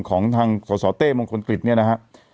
ของทางสสเต้มงคลกฤษเนี่ยนะฮะ